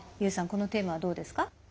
このテーマはどうですか？